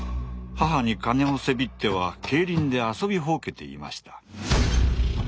母に金をせびっては競輪で遊びほうけていました。